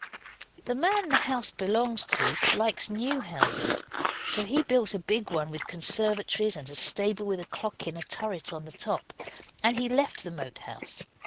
The man the house belongs to likes new houses, so he built a big one with conservatories and a stable with a clock in a turret on the top, and he left the Moat House.